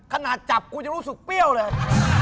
ขนาดจับกูจะรู้สึกเปรี้ยวเลย